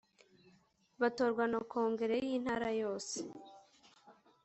Batorwa na Kongere y’Intara yose.